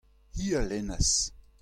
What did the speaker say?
hi a lennas.